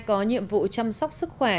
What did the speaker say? có nhiệm vụ chăm sóc sức khỏe